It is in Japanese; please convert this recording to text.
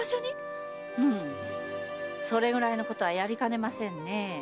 うんそれぐらいのことはやりかねませんね。